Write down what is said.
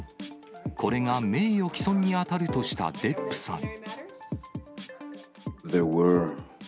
これが名誉毀損に当たるとしたデップさん。